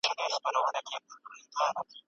موږ د بهرنیو مرستو پر سر سیاسي شرطونه نه منو.